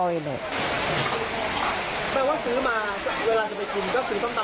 เยอะไหมครับ